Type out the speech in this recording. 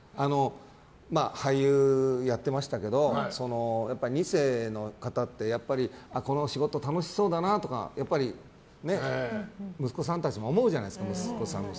俳優やってましたけど２世の方ってこの仕事、楽しそうだなとかやっぱり息子さん、娘さんたちも思うじゃないですか。